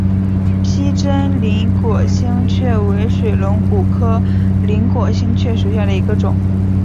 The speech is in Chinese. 披针鳞果星蕨为水龙骨科鳞果星蕨属下的一个种。